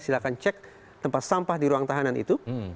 silahkan cek tempat sampah di ruang tahanan itu